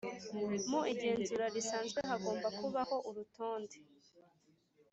Mu igenzura risanzwe hagomba kubaho urutonde